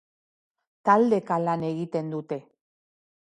Taldeka lan egiten dute.